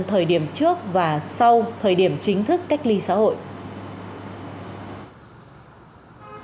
thời điểm trước và sau thời điểm chính thức cách ly xã hội